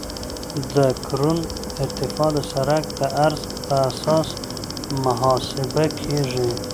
د کرون ارتفاع د سرک د عرض په اساس محاسبه کیږي